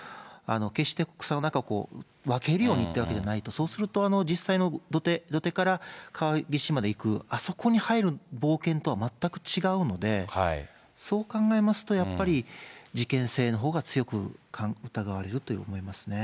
決して草の中を分け入るようにいったわけではないと、そうすると、実際の土手から川岸まで行く、あそこに入る冒険とは全く違うので、そう考えますと、やっぱり事件性のほうが強く疑われると思いますね。